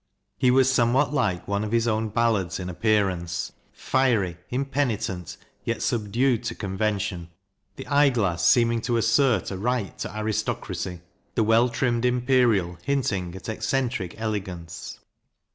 He was somewhat like one of his own ballads in ap pearance; fiery, impenitent, yet subdued to convention the eye glass seeming to assert a right to aristocracy, the well trimmed imperial hinting at eccentric ele gance.